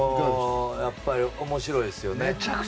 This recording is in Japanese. やっぱり、面白いですよね。